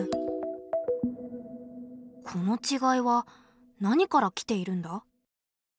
このちがいは何から来ているんだ？